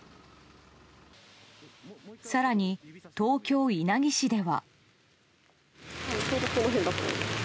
更に東京・稲城市では。